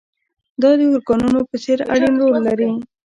دا د ارګانونو په څېر اړين رول لري.